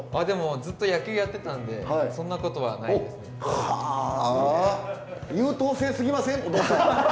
でもずっと野球やってたんでそんなことはないですね。は！